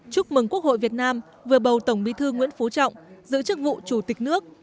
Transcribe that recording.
chúc mừng quốc hội việt nam vừa bầu tổng bí thư nguyễn phú trọng giữ chức vụ chủ tịch nước